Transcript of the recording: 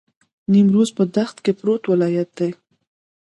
نیمروز په دښت کې پروت ولایت دی.